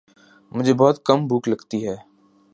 مجھے بہت کم بھوک لگتی ہے